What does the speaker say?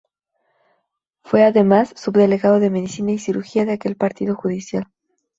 Fue, además, subdelegado de Medicina y Cirugía de aquel partido judicial.